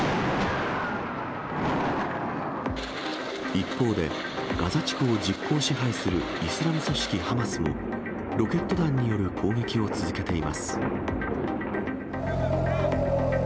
一方で、ガザ地区を実効支配するイスラム組織ハマスもロケット弾による攻撃を続けています。